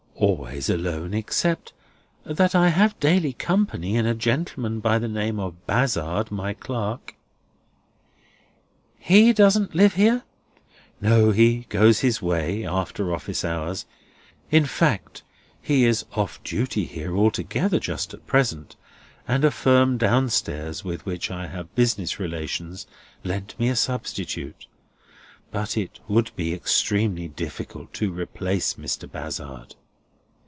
"Always alone; except that I have daily company in a gentleman by the name of Bazzard, my clerk." "He doesn't live here?" "No, he goes his way, after office hours. In fact, he is off duty here, altogether, just at present; and a firm down stairs, with which I have business relations, lend me a substitute. But it would be extremely difficult to replace Mr. Bazzard."